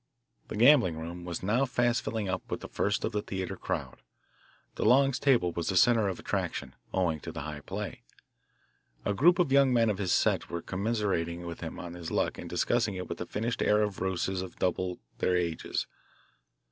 The gambling room was now fast filling up with the first of the theatre crowd. DeLong's table was the centre of attraction, owing to the high play. A group of young men of his set were commiserating with him on his luck and discussing it with the finished air of roues of double their ages.